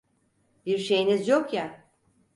Bir şeyiniz yok ya?